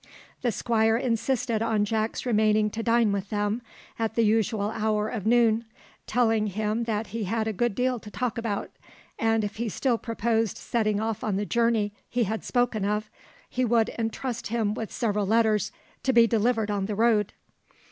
The Squire insisted on Jack's remaining to dine with them at the usual hour of noon, telling him that he had a good deal to talk about, and if he still proposed setting off on the journey he had spoken of, he would entrust him with several letters to be delivered on the road.